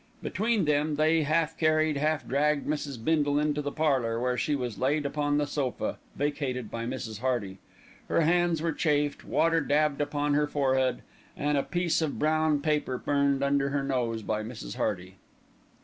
Between them they half carried, half dragged Mrs. Bindle into the parlour, where she was laid upon the sofa, vacated by Mrs. Hearty. Her hands were chafed, water dabbed upon her forehead, and a piece of brown paper burned under her nose by Mrs. Hearty.